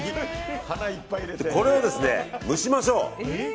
これを蒸しましょう。